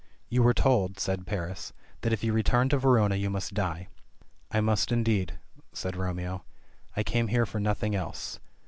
"You were told," said Paris, "that if you returned to Verona you must die." "I must indeed," said Romeo. "I came here for nothing else.